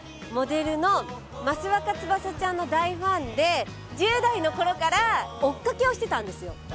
モデルの益若つばさちゃんの大ファンで１０代のころから追っ掛けをしてたんですよ。